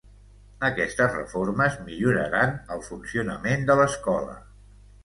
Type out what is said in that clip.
Aquestes reformes milloraran el funcionament de l'escola.